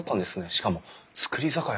しかも造り酒屋！